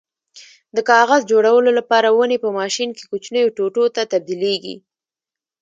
د کاغذ جوړولو لپاره ونې په ماشین کې کوچنیو ټوټو ته تبدیلېږي.